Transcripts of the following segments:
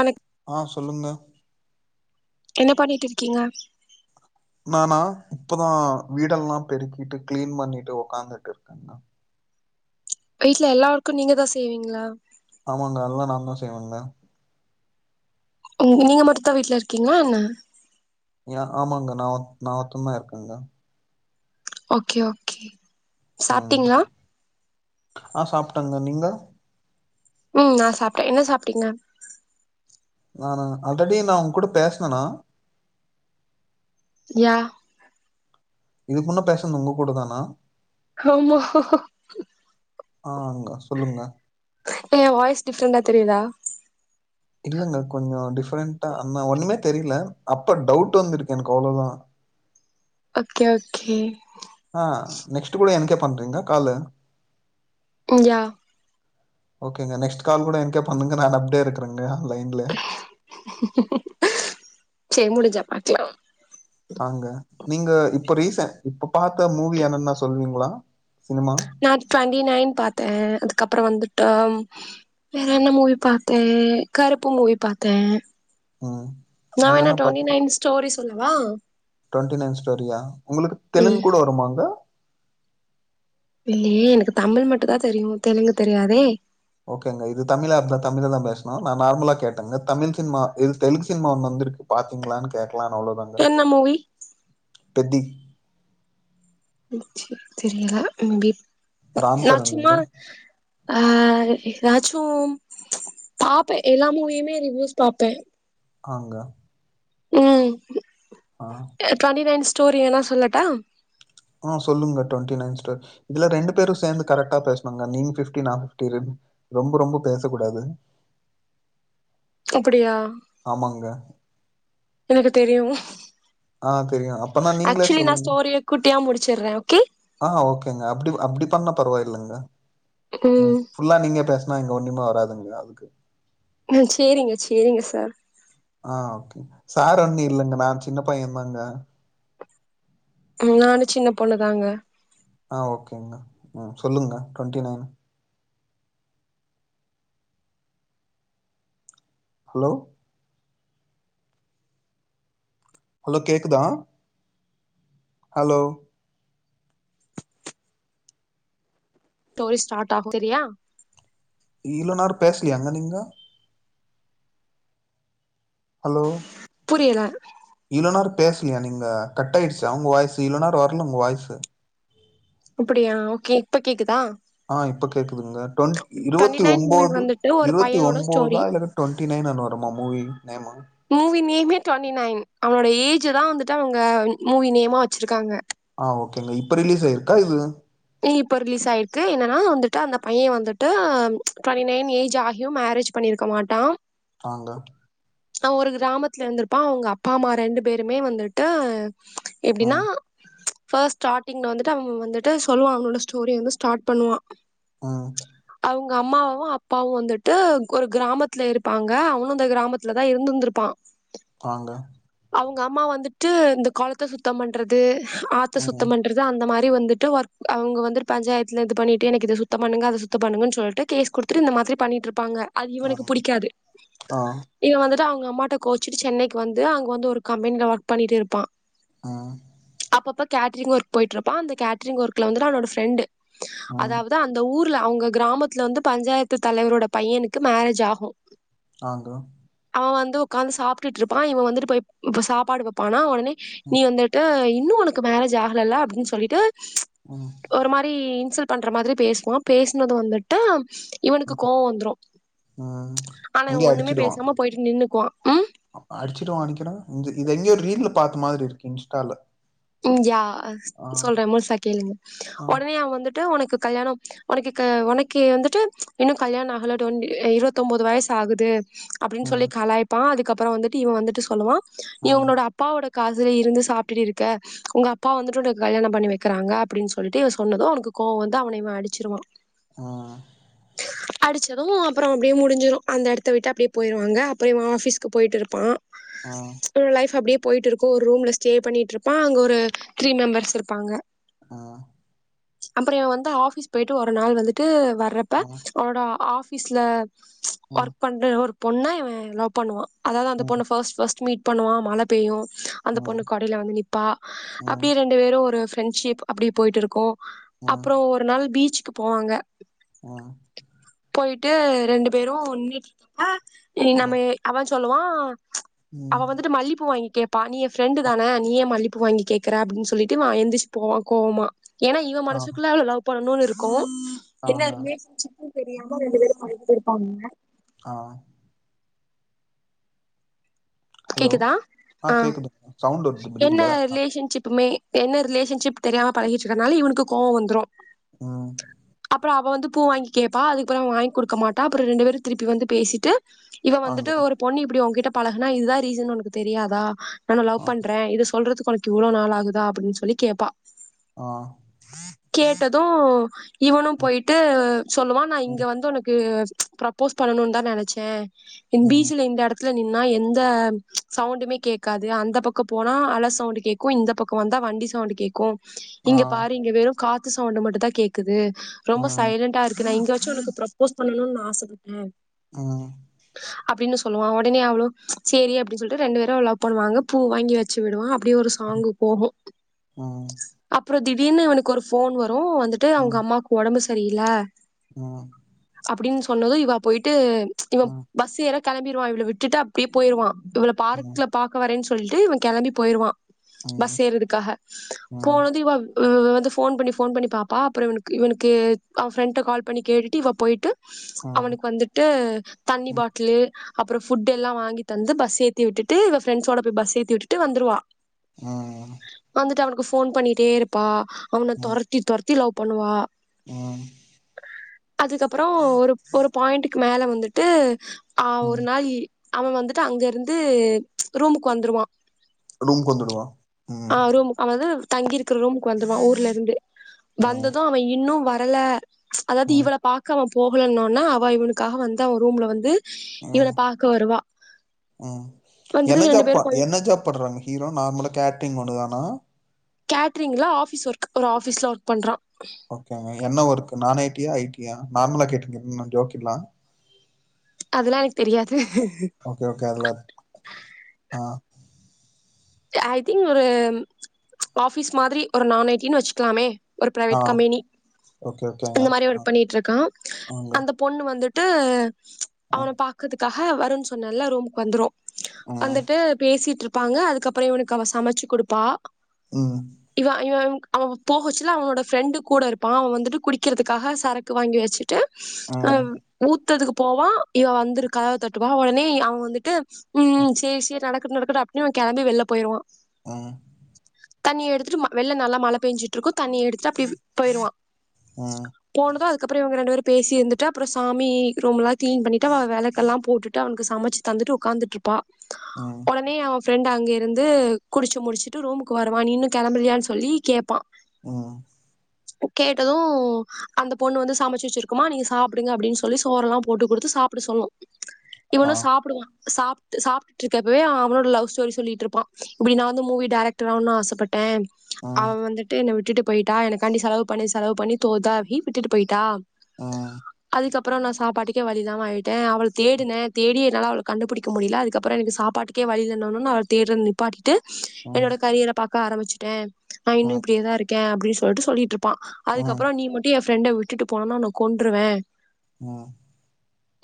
அனைக் ஆ சொல்லுங்க என்ன பண்ணீட்ருக்கீங்க நானா இப்பதா வீடெல்லா பெருக்கீட்டு கிளீன் பண்ணீட்டு ஒக்காந்துட்டு இருக்கனா வீட்ல எல்லா ஒர்க்கு நீங்க தா செய்வீங்ளா ஆமாங்க எல்லா நா தா செய்வேங்க ம் நீங்க மட்டுதா வீட்ல இருக்கீங்ளா என்ன எ ஆமாங்க நா நா ஒருத்ததா இருக்கேங்க ஓகே ஓகே ம் சாப்ட்டீங்களா ஆ சாப்டேங்க நீங்க ம் நா சாப்ட்டே என்ன சாப்ட்டீங்க நானா ஆல்ரெடி நா உங்க கூட பேசனேண்ணா யா இதுக்குமுன்ன பேசுனது உங்க கூட தானா ஆமா ஆங்க சொல்லுங்க ஏ வாய்ஸ் டிஃப்ரெண்டா தெரியுதா இல்லங்க கொஞ்சோ டிஃப்ரெண்டா ஆனா ஒண்ணுமே தெரில அப்ப டவுட் வந்திருக்கு எனக்கு அவ்ளோதா ஓகே ஓகே ஆ நெக்ஸ்ட் கூட எனக்கே பண்றீங்க காலு யா ஓகேங்க நெக்ஸ்ட் கால் கூட எனக்கே பண்ணுங்க நானு அப்டே இருக்றேங்க நெகான் லைன்ல சேரி முடிஞ்சா பாக்கலா ஆங்க நீங்க இப்ப ரீசன்ட் இப்ப பாத்த மூவி என்னன்னா சொல்லுவீங்களா நா டுவெண்ட்டி நைன் பாத்தே அதுக்கப்பறோ வந்துட்டு வேற என்ன மூவி பாத்தே கருப்பு மூவி பாத்தே ம் நா வேணா என்னென்ன ட்வெண்டி நைன் ஸ்டோரி சொல்லவா ட்வெண்ட்டி நைன் ஸ்டோரியா உங்களுக்கு தெலுங்கு ம் கூட வருமாங்க இல்லயே எனக்கு தமிழ் மட்டு தா தெரியு தெலுங்கு தெரியாதே ஓகேங்க இது தமிழ் ஆப் தா தமிழ்ல தா பேசணு நா நார்மலா கேட்டேங்க தமிழ் சினிமா இது தெலுங்கு சினிமா ஒன்னு வந்து இருக்கு பாத்தீங்களான்னு கேட்டே பிளான் அவ்ளோதாங்க என்ன மூவி பெத்தி தெரியலா தம்பி ராம் நா சும்மா சரண்ங்க ஆ எதாச்சோ பாப்பே எல்லாமூவியுமே ரிவியூஸ் பாப்பே ஆங்க ம் ஆ ட்வெண்டி நைன் ஸ்டோரி வேனா சொல்லட்டா ஆ சொல்லுங்க டுவெண்டி நைன் ஸ்டோரி இதுல ரெண்டு பேரு சேந்து கரெக்டா பேசணுங்க நீங்க பிப்டி நா பிப்டி ரொம்ப ரொம்ப பேச கூடாது அப்டியா ஆமாங்க எனக்கு தெரியுங்க ஆ தெரியு அப்பன்னா நீங்களே சொல்லுங்க ஸ்டோரிய குட்டியா முடிச்சிடுறே ஓகே ஆ ஓகேங்க அப்டி அப்டி பண்ணா பரவாயில்லங்க ம் ஃபுல்லா நீங்க பேசனா இங்க ஒண்ணுமே வராதுங்க அதுக்கு சேரிங்க சேரிங்க சார் ஆ ஓகே சார் ஒன்னு இல்லங்க நா சின்ன பைய தாங்க ம் நானு சின்ன பொண்ணுதாங்க ஆ ஓகேங்க ம் சொல்லுங்க ட்வெண்ட்டி நைன் ஹலோ ஹலோ கேக்குதா ஹலோ ஸ்டோரி ஸ்டார்ட் ஆகு தெரியா ஈளோ நேர பேசலயாங்க நீங்க ஹலோ புரியல பேச்லயா நீங்க கட் ஆயிடுச்சு அவங்க வாய்ஸு இளோ நேர வரல உங்க வாய்ஸு அப்பிடியா ஓகே இப்ப கேக்குதா? ஆ இப்ப கேக்குதுங்க. டொன் டுவெண்ட்டி இருவத்தி நைன் மூவி ஒம்போது வந்துட்டு ஒரு இருவத்தி பையனோட ஸ்டோரி ஒன்போதா இல்ல டுவெண்டி நைன் [unintelligible] மூவி நேமா மூவி நேமே டொண்டீ நைன் அவனோட ஏஜ்தா வந்துட்டு அவங்க மூவி நேமா வச்சிருக்காங்க. ஆ ஓக்கேங்க இப்ப ரிலீஸ் ஆயிருக்கா இது இப்ப ரிலீஸ் ஆயிருக்கு. என்னனா வந்துட்டு அந்த பைய்யா வந்துட்டு டுவெண்ட்டி நேயன் ஏஜ் ஆகியூம் மே ரேஜ் பண்ணிருக்க மாட்டா. ஆங்க அவ ஒரு கிராமத்துல இந்திருப்பா. அவுங்க அப்பா அம்மா ரெண்டு பேருமே வந்திட்டு ம் எப்டினா பஸ்ட் ஸ்டார்டிங்ல வந்துட்டு அவுங்க வந்துட்டு சொல்லுவா அவனோட ஸ்டோரி வந்து ஸ்டாட் பண்ணுவா. ம் அவுங்க அம்மாவு அப்பாவு வந்துட்டு ஒரு கிராமத்துல இருப்பாங்க. அவனும் இந்த கிராமத்துலதா இருந்திந்திருப்பா.. பாங்க அவுங்க அம்மா வந்துட்டு இந்த குளத்த சுத்தம் பண்றது ஆத்த ம் சுத்தம் பண்றது அந்த மாரி வந்துட்டு ஒர்க் அவுங்க வந்துடு பஞ்சாயத்துல இது பண்ணிட்டு எனக்கு இத சுத்த பண்ணுங்க அத சுத்த பண்ணுங்கனு சொல்ட்டு கேஸ் குடுத்துட்டு இந்த மாதிரி பண்ணீட்டிருப்பாங்க. அது ஆ இவனுக்கு புடிக்காது. ஆ இவ வந்து ட்டு அவுங்க அம்மாட்ட கோச்சிட்டு சென்னைக்கு வந்து அங்க வந்து ஒரு கம்பெனில ஒர்க் பண்ணீட்டு இருப்பா. ஆ அப்பப்ப கேட்ரிங் ஒர்க் போய்ட்ருப்பா. அந்த கேட்ரிங் ஒர்க்ல வந்துட்டு அவனோட ப்ரெண்டு ம் அதாவது அந்த ஊர் ல அவுங்க கிராமத்துல வந்து பஞ்சாயத்து தலைவரோட பையனுக்கு மேரேஜ் ஆகு ஆங்க அவ வந்து உக்காந்து சாப்ட்டுட்டிருப்பா. இவ வந்துட்டு போய் சாப்பாடு வப்பானா உடனே நீ ம் வந்துட்டு இன்னு உனக்கு மேரேஜ் ஆகலல்ல அப்டின் சொல்லிட்டு ம் ஒரு மாரி இன்சல் பண்ற மாதிரி பேசுவா. பேஸ்னது வந்துட்டு இவனுக்கு ம் கோவோ வந்துரு. ம் ஆனா இவ ஒண்ணுமே பேசாம போயிட்டு நின்னுக்குவா உம் அடிச்சுட்டு வானிகறா இங்க இது எங்கயோ ரீல்ல பாத்த மாரி இருக்கு இன்ஸ்டால ம் யா ஆ சொல்ற முழுசா கேளுங்க. ஆ உடனே அவ வந்துட்டு உனக்கு கல்யாணோ உனக்கு உனக்கு வந்துட்டு இன்னு கல்யாணோ ஆகல. டொன்டி இருவத்தொன்போது வயசு ஆகுது அப்டின் சொல்லி ம் கலாய்ப்பா. அதுக்கப்புறோ வந்துட்டு இவ வந்துட்டு சொல்லுவா, ம் இவனோட அப்பாவோட காசுல இருந்து சாப்டிட்டு இரு கே உங்க அப்பா வந்துட்டு உனக்கு கல்யாணோ பண்ணி வைக்கிறாங்க அப்டின்னு சொல்லிட்டு இவ சொன்னது அவனுக்கு கோவோ வந்து அவனஇவ அடிச்சிருவா. உம் அடிச்சதும் அப்பறோ அப்டியே முடிஞ்சிரு. அந்த இடத்த விட்டு அப்டியே போயிருவாங்க. அப்பறோ இவ ஆபீஸ்கு போயிட்டிருப்பா. ம் உ லைப் அப்டியே போய்ட்டிருக்கு. ஒரு ரூம்ல ஸ்டே பண்ணிட்டு இருப் ப்பா அங்க ஒரு த்ரீ மெம்பர்ஸ் இருப்பாங்க. ஆ அப்பறோ இவ வந்து ஆபீஸ் போயிட்டு ஒரு நாள் வந்துட்டு வர்றப்ப ம் அவனோட ஆபீஸ்ல ம் ம் ஒர்க் பண்ற ஒரு பொண்ண இவ லவ் பண்ணுவா. அதாது அந்த பொண்ண ம் பஸ்ட் பஸ்ட் மீட் பண்ணுவா மழ பெய்யு. அந்த பொண்ணு ம் கொடைல வந்து நிப்பா. அப்டியே ரெண்டு வேரு ஒரு ப்ரெண்ட்ஷிப் அப்டி போய்ட்டீருக்கு ம் அப்புறோ ஒரு நாள் பீச்சக்கு போவாங்க. ம் போயிட்டு ரெண்டு பேரு நின்ட்டு இருப்ப நம்ம ம் அவ சொல்லுவா. ம் அவ வந்துட்டு மல்லிப்பூ வாங்கி கேப்பா. நீ என் ப்ரெண்டு தான நீயே மல்லிப் பூ வாங்கி கேட்கற அப்டினு சொல்லிட்டு இவ எந்திரிச்சு போவா கோவமா ஏனா இவ ஆ மனசக்குள்ள அவ்ள லவ் பண்ணும்னு இருக்கும் என்ன ஆங்க ரிலேஷன் சிப்னு தெரியாம ரெண்டு பேரும் பழகிட்டு இருப்பாங்க ஆ ஹலோ கேக்குதா ஆ கேக்குதுங்க சவுண்ட் வருது என்ன திடீர்ல ரிலேஷன்ஷிப்புமே என்ன ரிலேஷன்ஷிப் தெரியாம பழகிட்டு இருக்கனால இவனுக்கு கோவ வந்துரு ம் அப்புறம் அவ வந்து பூ வாங்கி கேப்பா அது அப்புற அவன் வாங்கி குடுக்கட்ட மாட்டா அதுக்கப்பறம் ரெண்டு பேரும் திருப்பி வந்து பேசிட்டு இவ ஆங்க வந்துட்டு ஒரு பொண்ணு இப்டி உங்ககிட்ட பழகுனா இதுதா ரீசன் உனக்கு தெரியாதா நானு லவ் ஆ பண்றே இத சொல்றதுக்கு ஒனக் இவ்வளோ நாள் ஆகுதா அப்டின் சொல்லி கேப்பா ஆ கேட்டது இவனு ம் போய்ட்டு சொல்லுவான் நா இங்க ம் வந்து ஒனக்கு ப்ரோப்போஸ் பண்ணணுனு தா நெனைச்சே இன் ம் பீச்சில இந்த எடத்துல நின்னா எந்த சவுண்டுமே கேக்காது அந்த பக்க போனா அல சவுண்டு கேட்கு இந்த பக்க வந்தா வண்டி சவுண்டு கேக்கு ஆ இங்க பாரு இங்க வெறு காத்து சவுண்டு மட்டு தா கேக்குது ரொம்ப ம் சைலண்டா இருக்கு நா இங்க வ ச்சு உனக்கு ப்ரோப்போஸ் பண்ணணுனு நா ஆசப்பட்டே ம் அப்டின்னு சொல்லுவா ஒடனே அவ்ளு சேரி அப்டின்னு சொல்ட்டு ரெண்டு பேரு அவள லவ் பண்ணுவாங்க பூ வாங்கி வச்சிவிடுவா அப் டியே ஒரு ம் சாங்க்கு போகு ம் அப்றோ திடீர்னு இவனுக்கு ஒரு ஃபோன் வ ரு வந்துட்டு அவுங்க ம் அம்மாக்கு ஒடம்பு சரியில்ல ம் அப்டின்னு சொன்னது இவ போயிட்டு இவ ம் ம் பஸ் ஏற கெளம்பிடுவா இவள விட்டு அப்டியே போய்ருவா இவ்ள ம் பார்க்ல பாக்க வரேன்னு சொல்ட்டு இவ கெளம்பி போய்ருவா பஸ் ம் ஏற்ரதுக்காக ம் போனது இவ [inaudible] வந்து ஃபோன் பண்ணி ஃபோன் பண்ணி பாப்பா அப்றோ இவன்க்கு இவனுக்கு அவ ஃப்ரெண்ட கால் பண்ணி கேட்டுட்டு இவ போய்ட்டு அவனுக்கு வந்துட்டு தண்ணி ம் பாட்டிலு அப்றோ ஃபுட் எல்லா வாங்கி தந்து பஸ் ஏத்தி விட்டு இவ ஃப்ரெண்டஸோட போய் பஸ் ஏத்தி விட்டுடு வந்துருவா ம் ம் வந்துட்டு அவனுக்கு ஃபோன் பண்ணிகிட்டே இருப்பா அவன தொரத்தி தொரத்தி லவ் பண்ணுவா ம் அதுக்கப்றோ ஒரு ஒரு பாயிண்ட்க்கு மேல வந்துட்டு ஆ ஒரு ம் நாள் இ அவன் வந்துட்டு அங்க இருந்து ரூமுக்கு வந்துருவா ரூம்க்கு வந்துடுவா ம் தங்கிருக்கற ரூமுக்கு வந்துருவா ஊர்ல இருந்து ம் வந்தது அவ இன்னு வரல அதாவ்து ம் இவள பாக்க அவ போகலனோன அவ இவனுக்காக வந்து அவ ரூம்ல வந்து இவன ம் பாக்க வருவா ம் வந்துட்டு என்ன ரெண்டு ஜாப்ப பேரும் கொஞ்ச என்ன ஜாப்படுறாங்க ஹீரோ நார்மலா கேட்ரிங் ஒண்ணுதானா கேட்ரிங்ல ஆபிஸ் ஒர்க் ஒரு ஆபிஸ்ல ஒர்க் பண்றா ஓகேங்க என்ன ஒர்க் நா ஐ டி யா ஐ டி யா நார்மலா கேட்டிருக்கன்னா ஜோக்கில்லா அதெல்லாம் எனக்கு தெரியாது ஓகே ஓகே அதுலரு ஆ ஐ திங்க் ஒரு ஆபிஸ் மாத்ரி ஒரு நா ஜ டி ன்னு வச்சுக்கிலாமே ஒரு ஆ பிரைவேட் கம்பெனி ஓகே ஓகேங்க இந்த மாரி ஆ ஒர்க் பண்ணிட்டு இருக்கா ஆங்க அந்த பொண்ணு வந்துட் டு அவன பாக்கறதுக்காக வருண் சொன்னல்ல ரூம்க்கு வந்துரு ம் வந்துட்டு பேசிட்டு இருப்பாங்க அதுக்கப்றோ இவ்னுக்கு அவ சமச்சு குடுப்பா ம் இவ இவன்க் அவ போகச்சுல அவனோட ஃப்ரெண்டு கூட இருப்பா அவ வந்துட்டு குடிக்கிறதுக்காக சரக்கு வாங்கி வச்சுட்டு அ ம் ஊத்ததுக்கு போவா இவ வந்திருக்கதவ தட்டுவா ஒடனே அவ வந்துட்டு ம் சேரி சேரி நடக்குட்டு நடக்குட்டு அப்டி இவ கெளம்பி வெள்ல போய்ருவா ம் தண்ணிய எடுத்துட்டு ம வெள்ல நல்லா மழ பெஞ்சுட்ருக்கு தண்ணி எடுத்துட்டு அப்டி போயிருவா ம் போனது அதுக் அக்கப்றோ இவுங்க ரெண்டு பேரு பேசி இருந்துட்டு அப்றோ சாமி ரூம்லா கிளீன் பண்ணிட்டு அவ வேலைக்கெல்லா போட்டு அவனுக்கு சமச்சு தந்துட்டு உக்கார்ந்து இருப்பா ம் ஒடனே அவ ஃப்ரெண்ட் அங்க இருந்து குடிச்சு முடிச்சுட்டு ரூமுக்கு வருவா நீ இன்னு கெளம்புளியான்னு சொல்லி கேடப்பா ம் கேட்டது அந்த பொண்ணு வந்து சமச்சு வச்சிருக்குமா நீங்க சாப்டுங்க அப்டின்னு சொல்லி சோறுல்லா போட்டு குடுத்து சாப்ட சொல்லு ஆ இவனு சாப்டுவா சாப்டு சாப்ட்ருக்கப்பவே அவோட லவ் ஸ்டோரி சொல்லிட்டு இருப் ப இப்டி நா வந்து மூவி டெரக்டர் அவுனுன்னு ஆசப்பட்டே அவ ம் வந்துட்டு என்ன வி ட்டுட்டு போய்ட்டா எனக்காண்டி செலவு பண்ணி செலவு பண்ணி தோதாவி விட்டு போய்ட்டா ஆ அப்றம் நா சாப்பாட்டுக்கே வழி இல்லாம ஆயிட்டேன் அவல தேடுன தேடி என்னால அவ கண்டுபிடிக்க முடியல அதுக்கப்புறம் எனக்கு சாப்பாட்டு க்க வழி இல்லன்னாலு தேட்ர த நிப்பாட்டிட்டு ம் என்னோட கரியரை பாக்க ஆரம்பிச்சுட்டே நான் இன்னு ம் இப்படியதான் இருக்கே அப்படின்னு சொல்லிட்டு சொல்லிட்டு இருப்பான் ம் அதுக்கப்புறம் நீ மட்டும் என் ஃப்ரெண்டை விட்டு போனும்னா உனை கொண்ட்ருவ ம்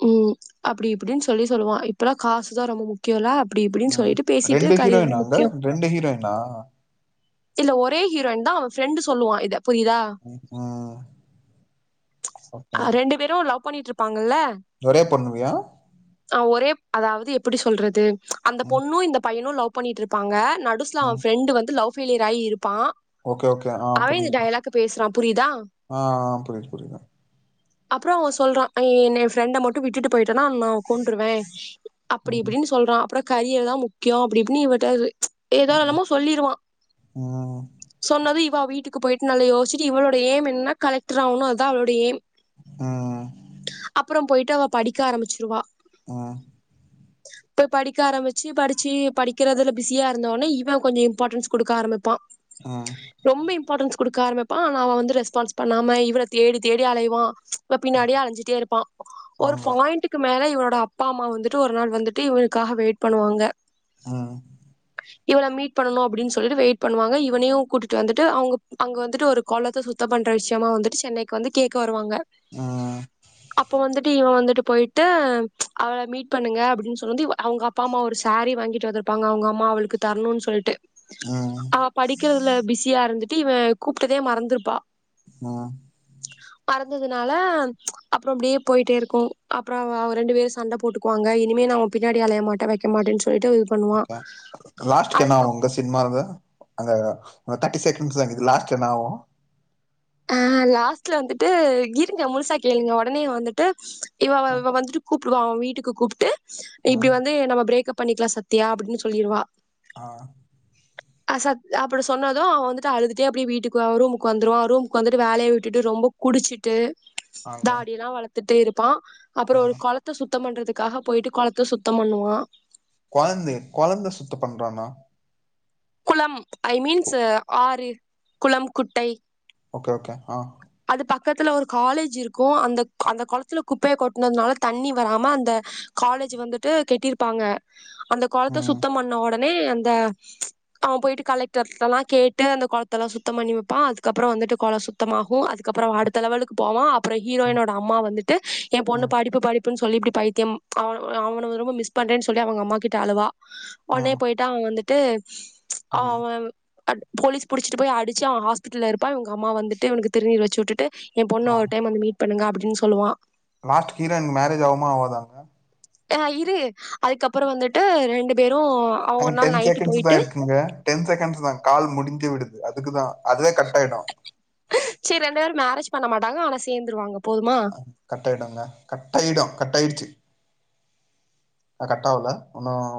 ம் அப்படி இப்படின்னு சொல்லி சொல்லுவா இப்பல்லா காசுதான் ரொம்ப முக்கியல்ல அப்படி இப்படின்னு சொல்லிட்டு பேசி ஹீரோயின்னாங்க ரெண்டு ஹீரோயினா இல்ல ஒரே ஹீரோயின் தான் அவன் ஃப்ரெண்ட் சொல்லுவா இதை புரியுதா ம் ம், ஓகே ரெண்டு பேரும் லவ் பண்ணிட்டு இருப்பாங்கல்ல ஒரே பொண்ணுவியா ஒரே அதாவது எப்படி சொல்றது அந்த ம் பொண்ணும் இந்த பையனும் லவ் பண்ணிட்டு இருப்பாங்க நடுசுல அவன் ம் ப்ஃரெண்டு வந்து லவ்ஃபெய்லியர் ஆயீ இருப் ப்பான் ஓகே ஓகே ஆ அவன் இந்த புரிஞ்சுது டைலாக் பேசுறான் புரியுதா ஆ ஆ புரியுது புரியுது அப்புறம் அவன் சொல்றான் என் என் ஃப்ரெண்ட மட்டும் விட்டுட்டு போயிட் நான் கொன்றுவேன் அப்படி ம் இப்படின்னு சொல்றான் அப்புறம் கரியர் தான் முக் முக்கியம் அப்படி இப்பின்னு இவ்ட ஏதோது ம் இல்லாம சொல்லிிருவான் ம் சொன்னது ப்ப வீட்டுக்கு போயிட்டு நல்ல யோசிச்சுட்டு இவளோட ஏம் என்னா கலக்டர் ஆகும் அதுான் அவளோட ஏம் ம் ம் அப்புறம் போயிட்டு அவ படிக்க ஆரம்பிச்சிருவா ம் போய் படிக்க ஆரம்பிச்சு படி சி படிக்கிறதுல பிிசியா இருந்த உடே இவன் கொஞ்சம் இம்பார்ட்டன்ஸ் கொடுக்க ஆரம்பிப்பா ம். ரொம்ப இம்பார்ட்டன்ஸ் கொடுக் க ஆரமிப்பா ஆனா அவ வந்து ரெஸ்பான்ஸ் பண்ணாம இவ்ள தேடி தேடி அலைவா இவன் பின்னாடியே அலைஞ்சிட்டே இருப்பான் ஒரு அங்க பாயிண்ட்டுக்கு மேல இவரோட அப்பா அம்மா வந்துட்டு ஒரு நாள் வந்துட்டு இவலுக்காக வெயிட் பண்ணுவாங்க ம் இவல மீட் பண்ணனும் அப்படின்னு சொல்லிட்டு வெயிட் பண்ணுவாங்க இவனையும் கூிட்டு வந்துட்டு அவங்க அங்க வந்துட்டு ஒரு குளத்தை சுத்த பண்ற விஷயமா வந்துட்டு சென்னைக்கு வந்து கேட்க வருவாங்க ம் அப்ப வந்துட்டு இவன் வந்துட் போயிட்டு அவளை மீட் பண்ணுங்க அப்படின்னு சொன்னது அவங்க அப்பா அம்மா ஒரு ச சாரீ வாங்கிட்டு வந்துருப்பாங்க அவங்க அம்மா அவளுக்கு தரணும்னு சொல்ட்டு ம் அவ படிக்கிறதுல பிஸியா இருந்துட்டு இவன் கூப்ட்டதே மறந்திருப்பா ம் மறந்ததுனால அப்புறம் அப்படியே போயிட்டே இருக்கு அப்புறம் ரெண்டு பேரும் சண்டை போட்டுக்குவாங்க இனிமே நான் பின்னாடி அலைய மாட்ட வைக்க மாட்டேன்னு சொல்லிட்டு பண்ணுவா. ஓகே லாஸ்ட்க என்ன அதுக்கு ஆ உங்க சினிமா இருந்த அந்த தட்டி செகண்ட்ஸ் இக்குது லாஸ்ட் என்ன ஆவூ அ லாஸ்ட்ல வந்துட்டு இருங்க முழுசா கேளுங்க உடனே வந்துட்டு இவ வந்துட்டு கூப்பிடுவா வீட்டுக்கு கூப்பிட்டு இப்படி ம் வந்து நம்ம பிரேக் அப் பண்ணிக்கலா சத்யா அப்படின்னு சொல்லிடுவா ஆ அ அப்படி சொன்னதும் அவன் வந்துட்டு அழுதுகட்டே அப்படியே வீட்டுக்கு ரூமுக்கு வந்துருவா ரூம் ரூம்க்கு வந்துட்டு வேலையை விட்டுட்டு ரொம்ப குடிச்சிட்டு அங்க தாடிய எல்லா வளத்துட்டு இருப்பா அப்புறம் ஆ ஒரு குளத்த சுத்தம் பண்றதுக்காக போயிட்டு குளத்த சுத்தம் பண்ணுவா குழந்த குழந்த சுத்த பண்றானா குளம் ஐ மீன்ஸ் ஆறு குளம் குட்டை ஓகே ஓகே ஆ அது பக்கத்துல ஒரு காலேஜ் இருக்கு அந்த அந்த குளத்துல குப்பையை கொட்னதுனால தண்ணி வராம அந்த கா காலேஜ் வந்துட்டு கெட்டிருப்பாங்க அந்த குளத்த ம் சுத்தம் பண்ண உடனே அந்த அவன் போயிட்டு கலெக்டர் எல்லாம் கேட்டு அந்த குளத்த எல்லா சுத்தம் பண்ணி வைப்பான் அதுக்கப்புறம் வந்துட்டு குளம் சுத்தமாகு போவோ அதுக்கப்புற அடுத்த லெவலுக்கு போவோ அப்புற ம் ஹீரோயனோட அம்மா வந்துட்டு ஏ பொண்ணு ம் படிப்பு படிப்பு சொல்லி இப்படி பைத்தியம் அவ அவ ரொம்ப மிஸ் பண்றேன்ன சொல்லி அவங்க அம்மா கிட்ட அழுவா ஒடனே ம் போய்ட்டா அவ வந்துட்டு ம் அவ் அவ அ போலீஸ் புடிச்சட்டு போய் அடிச்சு அவ ஹாஸ்பிட்டல்ல இருப்பா அவங்க அம்மா வந்துட்டு அனுக்கு திருநீர் வச்சு விட்டு ஏ பொண்ணு ஒரு டைம் வந்து மீட் பண்ணுங்க அப்டின்னு சொல்லுவா லாஸ்ட்டு கீரன் மேரேஜ் ஆகுமா ஆவாதா ஆ இரு அதுக்கப்பற வந்துட்டு ரெண்டு பேர் அங்க டென் செகண்ட்ஸ் தா இருக்குங்க டென் செகண்ட்ஸ் தா கால் முடிஞ்சு விடுது அதுக்குதா அதுவே கட்டாயிடு சரி ரெண்டு பேரு மேரேஜ் பண்ண மாட்டாங்க ஆனா சேந்துருவாங்க போதுமா அ கட்டாயிடுங்க கட்டாயிடும் கட்டாயிடுச்சு அ கட்டாவல ஒன்னு